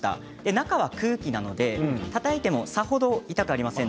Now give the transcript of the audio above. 中は空気なのでたたいてもさほど痛くありません。